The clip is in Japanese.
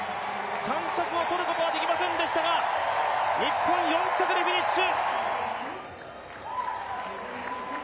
３着を取ることはできませんでしたが、日本４着でフィニッシュ。